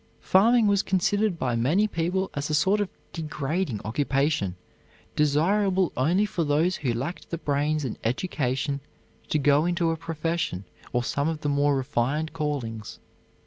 Farming was considered by many people as a sort of degrading occupation desirable only for those who lacked the brains and education to go into a profession or some of the more refined callings.